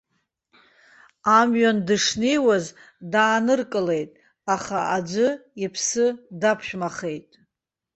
Амҩан дышнеиуаз дааныркылеит, аха аӡәы иԥсы даԥшәмахеит.